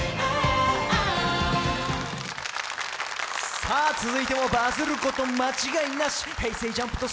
さあ続いてもバズること間違いなし。